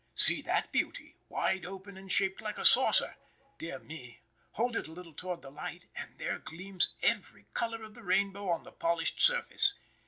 See that beauty, wide open and shaped like a saucer. Dear me, hold it a little toward the light, and there gleams every color of the rainbow on the polished surface.